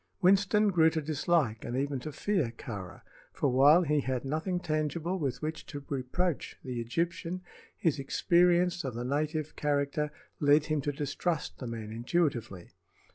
Winston grew to dislike and even to fear Kāra; for while he had nothing tangible with which to reproach the Egyptian, his experience of the native character led him to distrust the man intuitively.